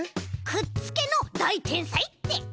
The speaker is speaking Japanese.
くっつけのだいてんさいって！